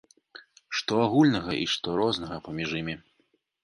Што агульнага і што рознага паміж імі?